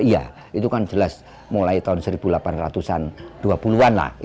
itu kan jelas mulai tahun seribu delapan ratus dua puluh an